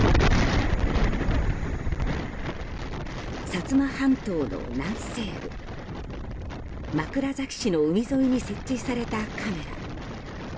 薩摩半島の南西部枕崎市の海沿いに設置されたカメラ。